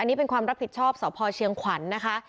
นี่เป็นความรับผิดชอบสพเชียงขวัญนะคะ